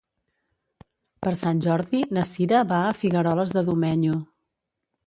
Per Sant Jordi na Cira va a Figueroles de Domenyo.